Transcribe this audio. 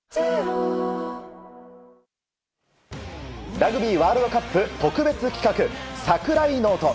ラグビーワールドカップ特別企画櫻井ノート。